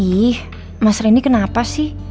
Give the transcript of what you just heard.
ih mas rendy kenapa sih